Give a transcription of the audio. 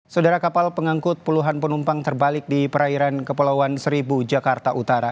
saudara kapal pengangkut puluhan penumpang terbalik di perairan kepulauan seribu jakarta utara